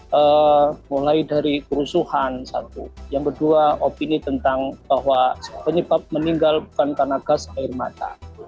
pertama mulai dari kerusuhan satu yang kedua opini tentang bahwa penyebab meninggal bukan karena gas air mata